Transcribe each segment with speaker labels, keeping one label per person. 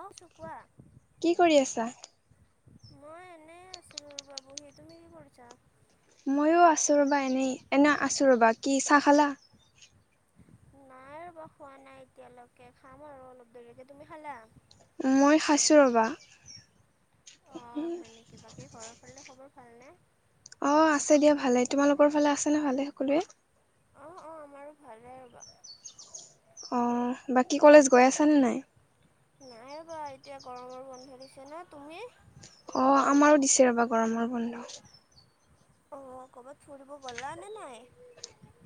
Speaker 1: অ' চু কোৱা
Speaker 2: কি কৰি আছা
Speaker 1: মই এনেই আছিলো ৰবা বহি তুমি কি কৰিছা
Speaker 2: মইয়ো আছো ৰবা এনেই এনে আছো ৰবা কি চাহ খালা
Speaker 1: নাই ৰবা খোৱা নাই এতিয়ালৈকে খাম আৰু অলপ দেৰিকে তুমি খালা
Speaker 2: মই খাইচো ৰবা
Speaker 1: কি বাকি ঘৰৰ ফালে খবৰ ভালনে
Speaker 2: অ আছে দিয়া ভালে তোমালোকৰ ফালে আছে না ভালে সকলোৱে
Speaker 1: অ অ আমাৰো ভালেই ৰ'বা
Speaker 2: অ বাকী কলেজ গৈ আছা নে নাই
Speaker 1: নাই ৰ'বা এতিয়া গৰমৰ বন্ধ দিছে ন তুমি
Speaker 2: অ আমাৰো দিছে ৰ'বা গৰমৰ বন্ধ
Speaker 1: অ ক'ৰবাত ফুৰিব গ'লা নে নাই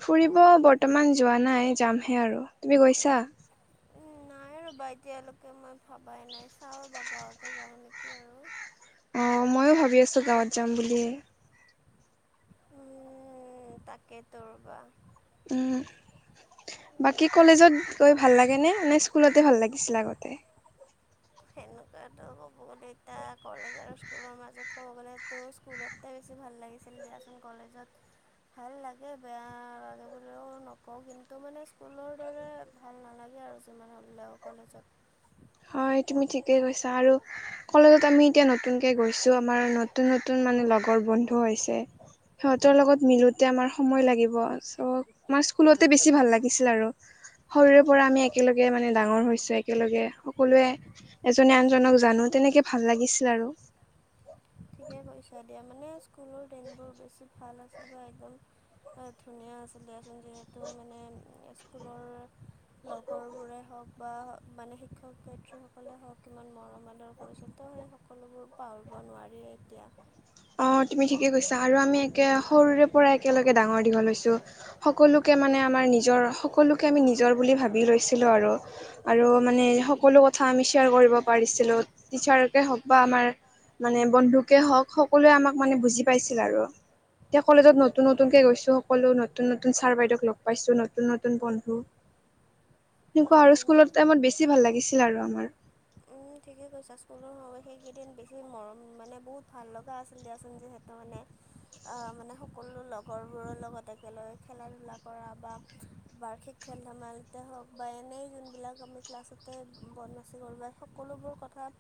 Speaker 2: ফুৰিব বৰ্তমান যোৱা নাই যামহে আৰু তুমি গৈছা
Speaker 1: উম নাই ৰ'বা এতিয়ালৈকে মই ভবাই নাই চাওঁ ৰবা গাঁৱতে যাওঁ নেকি আৰু
Speaker 2: অ ময়ো ভাবি আছো গাঁৱত যাম বুলি।
Speaker 1: উম তাকে তো ৰবা
Speaker 2: উম বাকী কলেজত গৈ ভাল লাগে নে নে স্কুলতে ভাল লাগিছিলে আগতে
Speaker 1: সেনেকুৱাতো ক'ব গ'লে এতিয়া কলেজ আৰু স্কুলৰ মাজত ক'ব গ'লে ত স্কুলতে বেছি ভাল লাগিছিল দিয়াচোন কলেজত ভাল লাগে বেয়া লাগে বুলিও নকওঁ কিন্তু মানে স্কুলৰ দৰে ভাল নালাগে আৰু যিমান হ'লেও কলেজত।
Speaker 2: হয় তুমি ঠিকেই কৈছা আৰু কলেজত আমি এতিয়া নতুনকে গৈছো আমাৰ নতুন নতুন মানে লগৰ বন্ধু হৈছে সিহঁতৰ লগত মিলোতে আমাৰ সময় লাগিব চ' তোমাৰ স্কুলতে বেছি ভাল লাগিছিল আৰু সৰুৰে পৰা আমি একেলগে মানে ডাঙৰ হৈছো একেলগে সকলোৱে এজনে আনজনক জানো তেনেকে ভাল লাগিছিলে আৰু
Speaker 1: ঠিকে কৈছা দিয়া মানে স্কুলৰ দিনবোৰ বেছি ভাল আছিল বা একদম বৰ ধুনীয়া আছিল দিয়া চোন যিহেতু মানে স্কুলৰ লগৰবোৰে হওক বা মানে শিক্ষক-শিক্ষয়িত্ৰীসকলে হওক কিমান মৰম আদৰ কৰিছিল ত সেই সকলোবোৰ পাহৰিব নোৱাৰি এতিয়া।
Speaker 2: অ তুমি ঠিকে কৈছা আৰু আমি একে সৰুৰে পৰা একেলগে ডাঙৰ দীঘল হৈছো। সকলোকে মানে আমাৰ নিজৰ সকলোকে আমি নিজৰ বুলি ভাবি লৈছিলোঁ আৰু আৰু মানে সকলো কথা আমি শ্বেয়াৰ কৰিব পাৰিছিলো টিচাৰকে হওক বা আমাৰ মানে বন্ধুকে হওক সকলোৱে আমাক মানে বুজি পাইছিল আৰু এতিয়া কলেজত নতুন নতুন কে গৈছো সকলো নতুন নতুন ছাৰ বাইদেউ লগ পাইছো নতুন নতুন বন্ধু এনেকুৱা
Speaker 1: হয়
Speaker 2: আৰু
Speaker 1: তুমি
Speaker 2: স্কুলৰ টাইমত বেছি ভাল লাগিছিল আৰু আমাৰ
Speaker 1: তুমিও ঠিকেই কৈছা স্কুলৰ সময়ত সেইকেইদিন বেছি মৰম মানে বহুত ভাল লগা আছিল দিয়াচোন যিহেতু মানে মানে সকলো লগৰবোৰৰ লগত একেলগে খেলা ধূলা কৰা বা বাৰ্ষিক খেল ধেমালিতে হওক বা এনেই যোনবিলাক আমি ক্লাছতে বনমাচি কৰো সকলোবোৰ কথা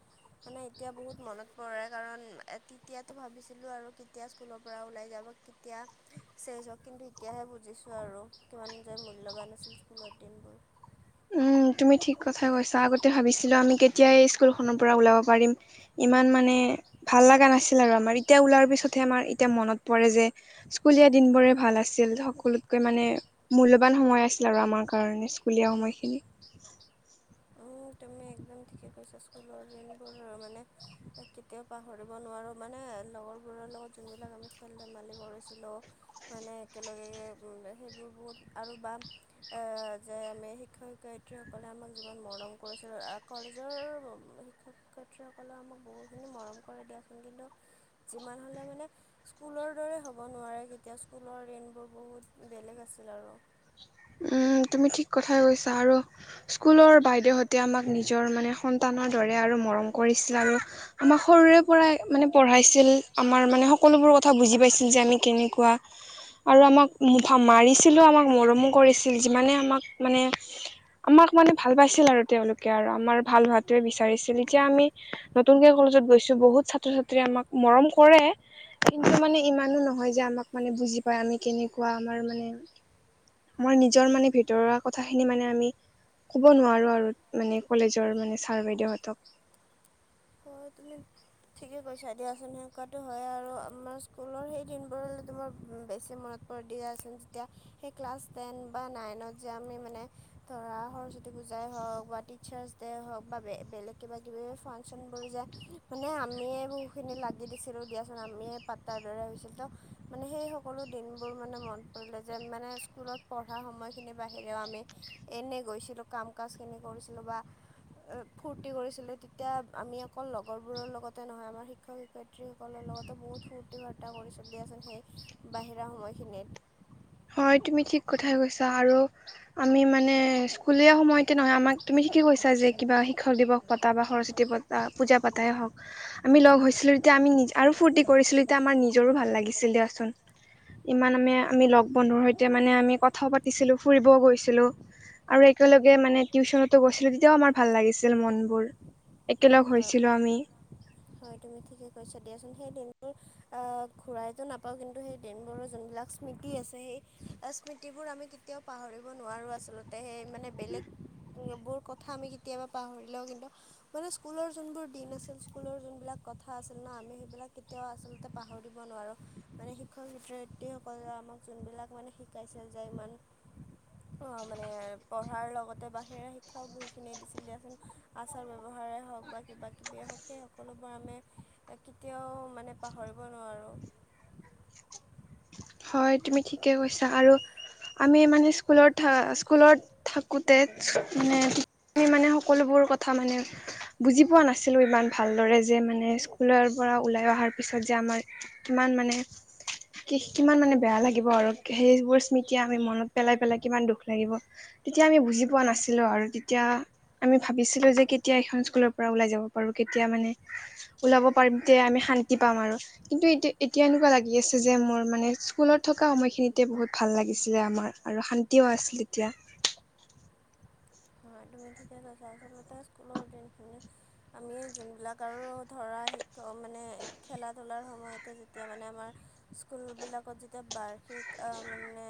Speaker 1: মানে এতিয়া বহুত মনত পৰে কাৰণ তেতিয়াতো ভাবিছিলোঁ আৰু কেতিয়া স্কুলৰ পৰা ওলাই যাব এতিয়া চেই চক কিন্তু এতিয়াহে বুজিছো আৰু কিমান যে মূল্যবান আছিল স্কুলত দিনবোৰ
Speaker 2: উম। তুমি ঠিক কথাই কৈছা। আগতে ভাবিছিলো আমি কেতিয়া এই স্কুলখনৰ পৰা ওলাব পাৰিম। ইমান মানে ভাল লগা নাছিল আৰু আমাৰ। এতিয়া ওলাৰ পিছতহে আমাৰ এতিয়া মনত পৰে যে স্কুলীয়া দিনবোৰে ভাল আছিল, সকলোতকৈ মানে মূল্যবান সময় আছিল আৰু আমাৰ কাৰণে স্কুলীয়া সময়খিনি
Speaker 1: তুমি একদম ঠিকে কৈছা স্কুলৰ দিনবোৰ মানে কেতিয়াও পাহৰিব নোৱাৰোঁ মানে লগৰবোৰৰ লগত যোনবিলাক আমি খেল ধেমালি কৰিছিলোঁ মানে একেলগে সেইবোৰ বহুত আৰু বাল এ যে আমি শিক্ষক শিক্ষয়িত্ৰীসকলে আমাক যিমান মৰম কৈছোঁ কলেজৰ শিক্ষক শিক্ষয়িত্ৰীসকলৰ আমাক বহুখিনি মৰম কৰি দিয়াচোন কিন্তু যিমান হ'লেও মানে স্কুলৰ দৰে হ'ব নোৱাৰে কেতিয়াও স্কুলৰ দিনবোৰ বহুত বেলেগ আছিল আৰু
Speaker 2: উম তুমি ঠিক কথাই কৈছা আৰু স্কুলৰ বাইদেউহঁতে আমাক নিজৰ মানে সন্তানৰ দৰে আৰু মৰম কৰিছিল আৰু আমাৰ সৰুৰে পৰাই মানে পঢ়াইছিল আমাৰ মানে সকলোবোৰ কথা বুজি পাইছিল যে আমি কেনেকুৱা আৰু আমাক মু মাৰিছিলো আমাক মৰমো কৰিছিল যিমানে আমাক মানে আমাক মানে ভাল পাইছিল আৰু তেওঁলোকে আৰু আমাৰ ভাল হোৱাতোৱে বিচাৰিছিল এতিয়া আমি নতুনকে কলেজত গৈছো বহুত ছাত্ৰ ছাত্ৰী আমাক মৰম কৰে কিন্তু মানে ইমানো নহয় যে আমাক মানে বুজি পায় আমি কেনেকুৱা আমাৰ মানে আমাৰ নিজৰ মানে ভিতৰুৱা কথাখিনি মানে আমি ক'ব নোৱাৰোঁ আৰু মানে কলেজৰ মানে ছাৰ বাইদেউহঁতক
Speaker 1: অ তুমি ঠিকেই কৈছা দিয়াচোন সেনেকুৱাতো হয় আৰু আমাৰ স্কুলৰ সেই দিনবোৰলৈ তোমাৰ বেছি মনত সেই ক্লাছ টেন বা নাইনত যে আমি মানে ধৰা সৰস্বতী পূজাই হওক বা টিচাৰ্চ ডে হওক বা বেলেগ কিবা কিবি ফাংচন যে মানে আমিয়ে বহুখিনি লাগি দিছিলো দিয়াচোন আমিয়ে পাতাৰ দৰে হৈছিল ত মানে সেই সকলো দিনবোৰ মানে মন পৰিলে যে মানে স্কুলত পঢ়া সময়খিনিৰ বাহিৰেও আমি এনে গৈছিলো কাম কাজ খিনি কৰিছিলো বা ফূৰ্তি কৰিছিলো তেতিয়া আমি অকল লগৰবোৰৰ লগতে নহয় আমাৰ শিক্ষক শিক্ষয়িত্ৰীসকলৰ লগতো বহুত ফূৰ্তি ফাৰ্তা কৰি চলি আছে সেই বাহিৰা সময়খিনিত
Speaker 2: হয় তুমি ঠিক কথাই কৈছা আৰু আমি মানে স্কুলীয়া সময়তে নহয় আমাক তুমি ঠিকেই কৈছা যে কিবা শিক্ষক দিৱস পতা বা সৰস্বতী পতা পূজা পাতাই হওক আমি লগ হৈছিলো এতিয়া আমি নি আৰু ফূৰ্তি কৰিছিলো এতিয়া আমাৰ নিজৰো ভাল লাগিছিল দিয়াচোন ইমান আমি লগ বন্ধুৰ সৈতে মানে আমি কথাও পাতিছিলো ফুৰিবও গৈছিলো আৰু একেলগে মানে টিউচনতো গৈছিলো তেতিয়াও আমাৰ ভাল লাগিছিল মনবোৰ একেলগ
Speaker 1: হয়
Speaker 2: হৈছিলো আমি
Speaker 1: হয় তুমি ঠিকে কৈছা দিয়াচোন সেই দিনবোৰ ঘূৰাই ত নাপাওঁ কিন্তু সেই দিনবোৰৰ যোনবিলাক স্মৃতি আছে সেই স্মৃতিবোৰ আমি কেতিয়াও পাহৰিব নোৱাৰোঁ আচলতে সেই মানে বেলেগ বোৰ কথা আমি কেতিয়াবা পাহৰিলেও কিন্তু মানে স্কুলৰ যোনবোৰ দিন আছিল স্কুলৰ যোনবিলাক কথা আছিল ন আমি সেইবিলাক কেতিয়াও আচলতে পাহৰি দব নোৱাৰোঁ। মানে শিক্ষক শিক্ষয়ত্ৰীসকলে আমাক যোনবিলাক মানে শিকাইছিল যে ইমান মানে পঢ়াৰ লগতে বাহিৰে শিক্ষাও বহুতখিনি দিছিল দিয়াচোন আচাৰ ব্যৱহাৰ হওক বা কিবাকিবিয়ে হওক সেই সকলোবোৰ আমি কেতিয়াও মানে পাহৰিব নোৱাৰোঁ।
Speaker 2: হয় তুমি ঠিকে কৈছা আৰু আমি মানে স্কুলত স্কুলত থাকোতে মানে আমি মানে সকলোবোৰ কথা মানে বুজি পোৱা নাছিলো। আছিলো ইমান ভালদৰে যে মানে স্কুলৰ পৰা ওলাই অহাৰ পিছত যে আমাৰ কিমান মানে কি কিমান মানে বেয়া লাগিব আৰু সেইবোৰ স্মৃতি আমি মনত পেলাই পেলাই কিমান দুখ লাগিব। তেতিয়া আমি বুজি পোৱা নাছিলো আৰু তেতিয়া আমি ভাবিছিলো যে কেতিয়া এখন স্কুলৰ পৰা ওলাই যাব পাৰো কেতিয়া মানে ওলাব পাৰিম তে আমি শান্তি পাম আৰু কিন্তু এতিয়া এতিয়া এনেকুৱা লাগি আছে যে মোৰ মানে স্কুলত থকা সময়খিনিতে বহুত ভাল লাগিছিলে আমাৰ আৰু শান্তিও আছিল তেতিয়া।
Speaker 1: অহ তুমি ঠিকেই কৈছা আঁচলতে স্কুলৰ জোন খিনি আমি যোনবিলাক আৰু ধৰা শিক্ষক মানে খেলা ধূলাৰ সময়তে যেতিয়া মানে আমাৰ স্কুলবিলাকত যেতিয়া বাৰ্ষিক মানে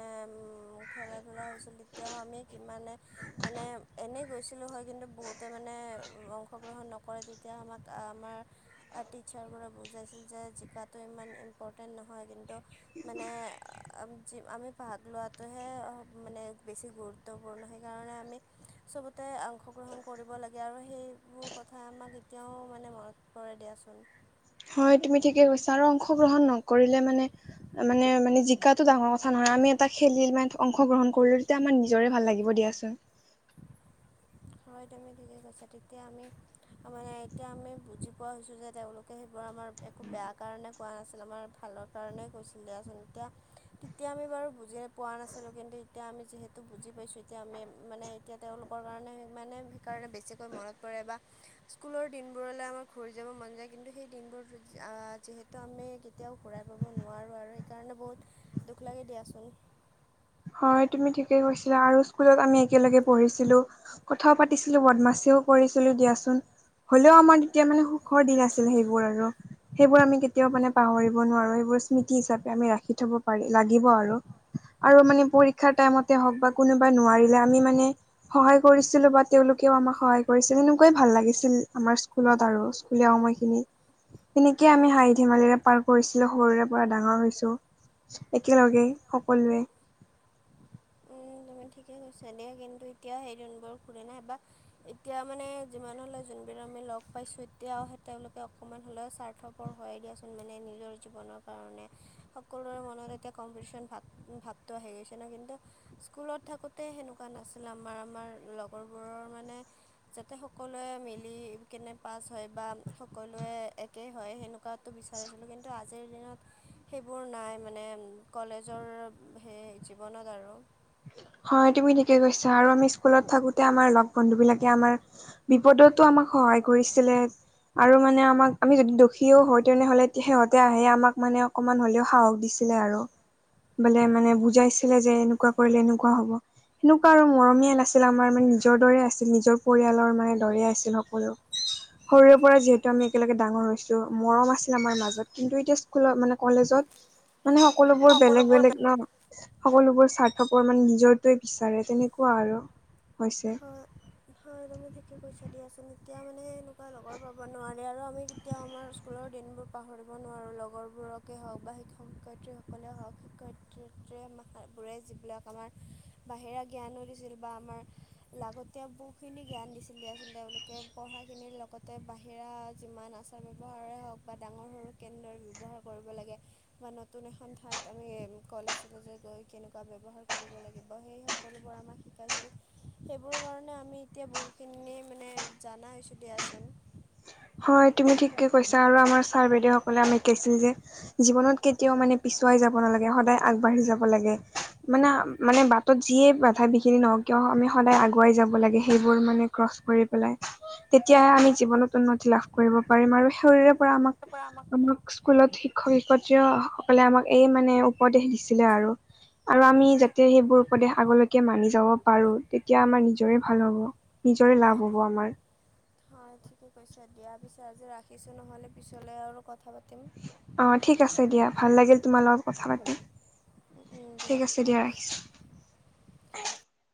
Speaker 1: খেলা ধূলা [unintelligible] তেতিয়াও আমি কিমানে মানে এনেই গৈছিলোঁ হয় কিন্তু বহুতে মানে অংশগ্ৰহণ নকৰে তেতিয়া আমাক আমাৰ টিচাৰ বোৰে বুজাইছিল যে জিকাটো ইমান ইম্পৰ্টেণ্ট নহয় কিন্তু মানে আমি ভাগ লোৱাটোহে মানে বেছি গুৰুত্ব। গুৰুত্বপূৰ্ণ সেইকাৰণে আমি চবতে অংশগ্ৰহণ কৰিব লাগে আৰু সেইবোৰ কথাই আমাক এতিয়াও মানে মন পৰে দিয়াচোন।
Speaker 2: হয় তুমি ঠিকে কৈছা আৰু অংশগ্ৰহণ নকৰিলে মানে মানে মানে জিকাতটো ডাঙৰ কথা নহয় আমি এটা খেলিল মানে অংশগ্ৰহণ কৰিলো তেতিয়া আমাৰ নিজৰে ভাল লাগিব দিয়াচোন।
Speaker 1: হয় তুমি ঠিকে কৈছা তেতিয়া আমি মানে এতিয়া আমি বুজি পোৱা হৈছোঁ যে তেওঁলোকে সেইবোৰ আমাৰ খুব বেয়া কাৰণে কোৱা নাছিল আমাৰ ভালৰ কাৰণেই কৈছিলে দিয়াচোন এতিয়া তেতিয়া আমি বাৰু বুজি পোৱা নাছিলোঁ কিন্তু এতিয়া আমি যিহেতু বুজি পাইছোঁ এতিয়া আমি মানে এতিয়া তেওঁলোকৰ কাৰণে ইমানে সেইকাৰণে বেছিকৈ মনত পৰে বা স্কুলৰ দিনবোৰলে আমাৰ ঘূৰি যাব মন যায় কিন্তু সেই দিনবোৰ যিহেতু আমি কেতিয়াও ঘূৰাই পাব নোৱাৰোঁ আৰু সেইকাৰণে বহুত দুখ লাগি দিয়াচোন।
Speaker 2: হয় তুমি ঠিকেই কৈছিলা আৰু স্কুলত আমি একেলগে পঢ়িছিলো। কথাও পাতিছিলো বদমাছিও কৰিছিলো দিয়াচোন। হলেও আমাৰ তেতিয়া মানে সুখৰ দিন আছিল সেইবোৰ আৰু সেইবোৰ আমি কেতিয়াও মানে পাহৰিব নোৱাৰো সেইবোৰ স্মৃতি হিচাপে আমি ৰাখি থব পাৰি লাগিব আৰু আৰু মানে পৰীক্ষাৰ টাইমতে হওক বা কোনোবা নোৱাৰিলে আমি মানে সহায় কৰিছিলো বা তেওঁলোকেও আমাক সহায় কৰিছিল এনেকুৱাই ভাল লাগিছিল আমাৰ স্কুলত আৰু স্কুলীয়া সময়খিনি সেনেকে আমি হাঁহি ধেমালিৰে পাৰ কৰিছিলো সৰুৰে পৰা ডাঙৰ হৈছো একেলগে সকলোৱে
Speaker 1: উম তমি ঠিকে কৈছা দেই কিন্তু এতিয়া সেই ণবোৰ খোলে নাই বা এতিয়া মানে যিমান হ'লে যোনবিন আমি লগ পাইছো এতিয়াওে তেওঁলোকে অকণমান হ'লেও স্বাৰ্থ পৰ হয় দিয়াচোন মানে নিজৰ জীৱনৰ কাৰণে। সকলোৰে মনত এতিয়া কম্পিটিশন ভাপ ভাৱটো হৈ গৈছে ন কিন্তু স্কুলত থাকোঁতে সেনেকুৱা নাছিল আমাৰ- আমাৰ লগৰবোৰৰ মানে যাতে সকলোৱে মিলি কেনে পাছ হয় বা সকলোৱে একেই হয় সেনো কাটো বিচাৰিছিলো কিন্তু আ আজিৰ দিনত সেইবোৰ নাই মানে কলেজৰ সেই জীৱনত আৰু
Speaker 2: হয়, তুমি ঠিকে কৈছা আৰু আমি স্কুলত থাকোতে আমাৰ লগ বন্ধুবিলাকে আমাৰ বিপদতো আমাক সহায় কৰিছিলে। আৰু মানে আমাক আমি যদি দুখিও হও তেনেহ'লে সিহঁতে আহে আমাক মানে অকমান হ'লেও সাহস দিছিলে আৰু বোলে মানে বুজাইছি ছিলে যে এনেকুৱা কৰিলে এনেকুৱা হ'ব, সেনেকুৱা আৰু মৰমীয়াল আছিল আমাৰ মানে নিজৰ দৰে আছিল নিজৰ পৰিয়ালৰ মায়ে দৰে আছিল সকলো। সৰুৰে পৰা যিহেতু আমি একেলগে ডাঙৰ হৈছো মৰম আছিল আমাৰ মাজত কিন্তু এতিয়া স্কুলত মানে কলেজত মানে সকলোবোৰ বেলেগ - বেলেগ ন, সকলোবোৰ স্বাৰ্থপৰ মানে নি জৰটোৱে বিচাৰে তেনেকুৱা আৰু হৈছে।
Speaker 1: আৰু তেতিয়া পইচা দিয়াচোন তেতিয়া মানে এনেকুৱা লগৰ পাব নোৱাৰে আৰু আমি কেতিয়াও আমাৰ স্কুলৰ দিনবোৰ পাহৰিব নোৱাৰোঁ, লগৰবোৰকে হওক বা শিক্ষক - শিক্ষয়ীত্ৰীসকলে হওক, শিক্ষক - শিক্ষয়ীত্ৰীসকলে আমা হয় বোৰে যিবিলাক আমাৰ বাহিৰা জ্ঞানো দিছিল বা আমাৰ লাগতিয়াল বহুখিনি জ্ঞান দিছিল দিয়াচোন তেওঁলোকে পঢ়াখিনিৰ লগতে বাহিৰা যিমান আচাৰ - ব্যৱহাৰে হওক বা ডাঙৰ - সৰুক কেনেদৰে ব্যৱহাৰ কৰিব লাগে বা নতুন এখন ঠাইত আমি কলেজ- চলেজে গৈ কেনেকুৱা ব্যৱহাৰ কৰিব লাগিব সেই স কলোবোৰ আমাক শিকাইছিল সেইবোৰৰ কাৰণে আমি এতিয়া বহুখিনি মানে জানা হৈছোঁ দিয়াচোন।
Speaker 2: হয় তুমি ঠিকে কৈছা আৰু আমাৰ ছাৰ - বাইদেউসকলে আমি শিকাইছিল যে জীৱনত কেতিয়াও মানে পিছুৱাই যাব নালাগে, সদায় আগবাঢ়ি যাব লাগে। মানে - মানে বাটত যিয়ে বাধা - বিঘিনি নহওক কিয় আমি সদায় আগুৱাই যাব লাগে সেইবোৰ মানে ক্ৰচ কৰি পেলাই তেতিয়াহে আমি জীৱনত উন্ন তি লাভ কৰিব পাৰিম আৰু শৰীৰেপৰা আমাক - আমাক স্কুলত শিক্ষক - শিক্ষয়ীত্ৰিসকলে আমাক এই মানে উপদেশ দিছিলে আৰু। আৰু আমি
Speaker 1: হয়
Speaker 2: যাতে সেইবোৰ উপদেশ আগলৈকে মানি যাব পাৰো তেতিয়া আমাৰ নিজৰে ভাল হ'ব, নিজৰে লাভ হব আমাৰ।
Speaker 1: হয় ঠিকে কৈছে, দিয়া পিছে আজি ৰাখিছোঁ নহ'লে পিছলৈ আৰু কথা পাতিম।
Speaker 2: অ ঠিক আছে দিয়া, ভাল লাগিল তোমাৰ লগত কথা পাতি, ঠিক আছে দিয়া ৰাখিছোঁ।